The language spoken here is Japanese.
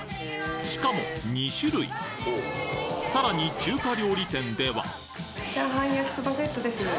しかも２種類さらに中華料理店ではチャーハンヤキソバセットです。